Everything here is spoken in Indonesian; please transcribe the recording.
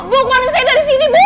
bukalan saya dari sini bu